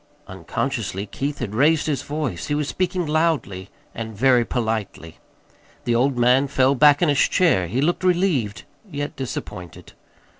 Unconsciously Keith had raised his voice. He was speaking loudly, and very politely. The old man fell back in his chair. He looked relieved, yet disappointed.